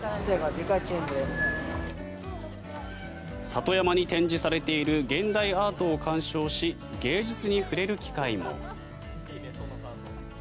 里山に展示されている現代アートを鑑賞し芸術に触れる機会も。